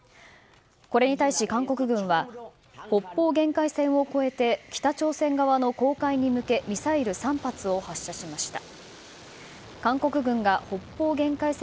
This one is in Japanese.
これに対し、韓国軍は北方限界線を越えて北朝鮮側の公海に向けミサイル３発を発射しました。